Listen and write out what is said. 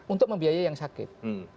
untuk membiayai yang sakit